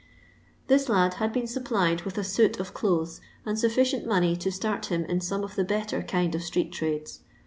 Thw lad hat been tupplied with a suit of dothet and tufficient money to ttart him in some of the better kind of street trades.